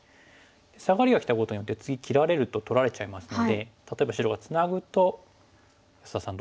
サガリがきたことによって次切られると取られちゃいますので例えば白がツナぐと安田さんどうしましょう？